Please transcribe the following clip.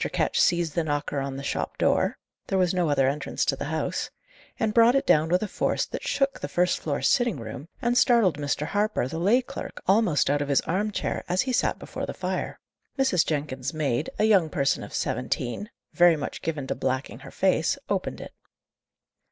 Ketch seized the knocker on the shop door there was no other entrance to the house and brought it down with a force that shook the first floor sitting room, and startled Mr. Harper, the lay clerk, almost out of his armchair, as he sat before the fire. Mrs. Jenkins's maid, a young person of seventeen, very much given to blacking her face, opened it.